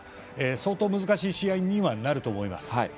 相当難しい試合になると思います。